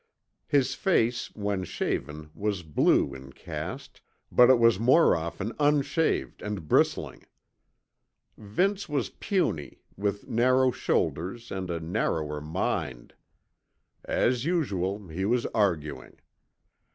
His face when shaved was blue in cast, but it was more often unshaved and bristling. Vince was puny, with narrow shoulders and a narrower mind. As usual, he was arguing.